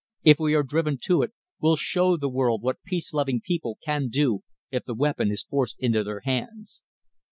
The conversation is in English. If we are driven to it, we'll show the world what peace loving people can do, if the weapon is forced into their hands.